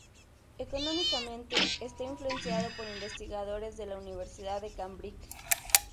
Económicamente, está influenciado por investigadores de la Universidad de Cambridge.